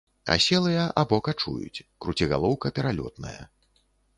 Аселыя або качуюць, круцігалоўка пералётная.